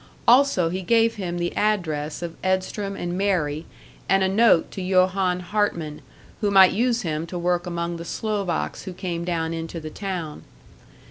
Also he gave him the address of Edstrom and Mary, and a note to Johann Hartman, who might use him to work among the Slovaks who came down into the town.